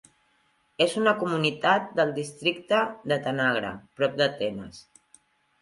És una comunitat del districte de Tanagra, prop d'Atenes.